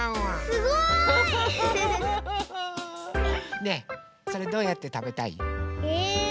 すごい！ねえそれどうやってたべたい？え？